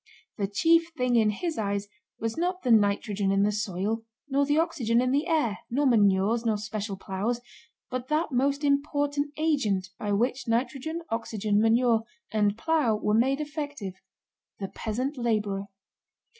The chief thing in his eyes was not the nitrogen in the soil, nor the oxygen in the air, nor manures, nor special plows, but that most important agent by which nitrogen, oxygen, manure, and plow were made effective—the peasant laborer.